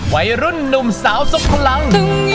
วัยรุ่นนุ่มสาวทรงพลัง